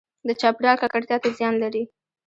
د چاپیریال ککړتیا څه زیان لري؟